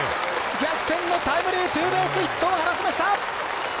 逆転のタイムリーツーベースヒットを放ちました！